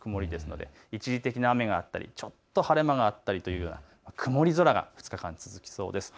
一時的な雨があったりちょっと晴れ間があったり、曇り空が２日間、続きそうです。